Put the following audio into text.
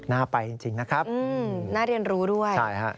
น่าไปจริงนะครับใช่ครับน่าเรียนรู้ด้วย